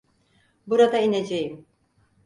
Burada ineceğim.